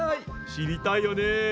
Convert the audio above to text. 知りたいよね。